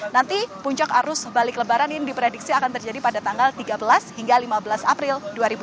nanti puncak arus balik lebaran ini diprediksi akan terjadi pada tanggal tiga belas hingga lima belas april dua ribu dua puluh